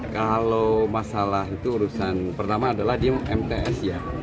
kalau masalah itu urusan pertama adalah dia mts ya